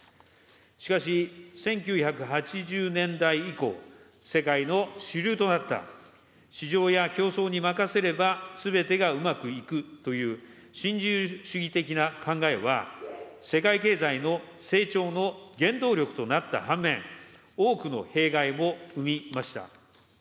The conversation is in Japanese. しかし、１９８０年代以降、世界の主流となった、市場や競争に任せればすべてがうまくいくという新自由主義的な考えは、世界経済の成長の原動力となった半面、多くの弊害も生みました。